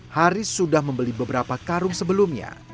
haris sudah membeli beberapa karung sebelumnya